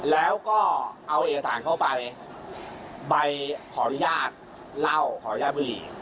แล้วก็เอาเอกสารเข้าไปใบขออนุญาตเล่าขออนุญาตบุหรี่